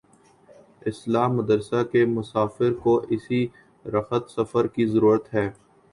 اصلاح مدرسہ کے مسافر کو اسی رخت سفر کی ضرورت ہے۔